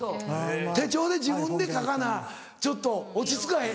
手帳で自分で書かなちょっと落ち着かへんねん。